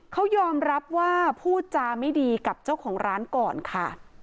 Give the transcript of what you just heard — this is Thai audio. เขายอมรับว่าพูดจาไม่ดีกับเจ้าของร้านก่อนค่ะ